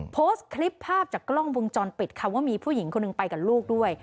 โพสต์คลิปภาพจากกล้องวงจรปิดคำว่ามีผู้หญิงคนหนึ่งไปกับลูกด้วย